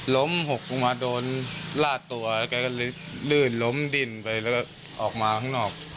หกลงมาโดนลาดตัวแล้วแกก็เลยลื่นล้มดิ้นไปแล้วก็ออกมาข้างนอก